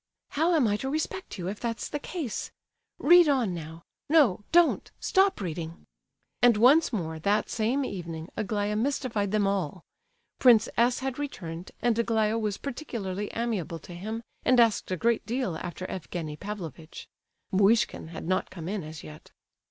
"How am I to respect you, if that's the case? Read on now. No—don't! Stop reading!" And once more, that same evening, Aglaya mystified them all. Prince S. had returned, and Aglaya was particularly amiable to him, and asked a great deal after Evgenie Pavlovitch. (Muishkin had not come in as yet.)